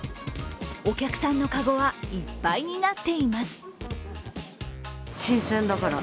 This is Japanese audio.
お客さんの籠はいっぱいになっています。